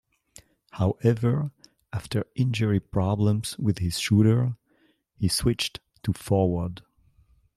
However, after injury problems with his shoulder, he switched to forward.